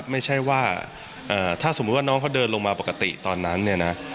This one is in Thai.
ไม่ใช่ว่าถ้าสมมุติว่าน้องเขาเดินลงมาปกติตอนนั้นเนี่ยนะ